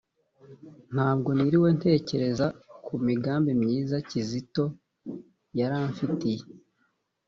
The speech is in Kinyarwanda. ntabwo niriwe ntekereza ku migambi myiza Kizito yari amfitiye